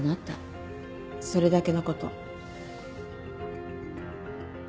それだけのこと